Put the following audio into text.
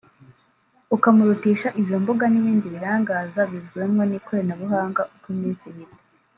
ukamurutisha izo mbuga n’ibindi birangaza bizanwa n’ikoranabuhanga uko iminsi ihita